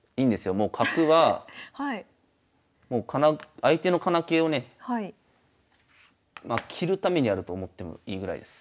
もう角は相手の金気をね切るためにあると思ってもいいぐらいです。